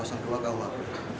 tentang apa itu mas